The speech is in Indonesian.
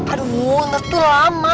aduh ntar tuh lama